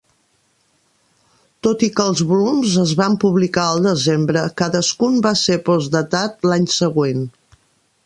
Tot i que els volums es van publicar al desembre, cadascun va ser postdatat l'any següent.